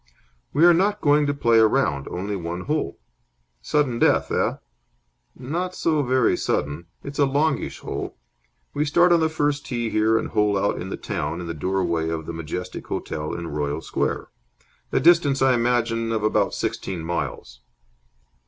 "We are not going to play a round. Only one hole." "Sudden death, eh?" "Not so very sudden. It's a longish hole. We start on the first tee here and hole out in the town in the doorway of the Majestic Hotel in Royal Square. A distance, I imagine, of about sixteen miles."